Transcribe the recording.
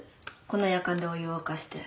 このやかんでお湯を沸かして。